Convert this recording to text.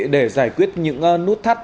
để giải quyết những nút thắt